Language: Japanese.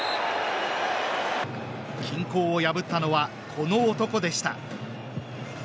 均衡を破ったのは、この男でした。